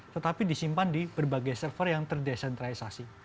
tetapi disimpan di berbagai server yang terdesentralisasi